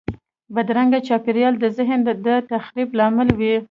بدرنګه چاپېریال د ذهن د تخریب لامل وي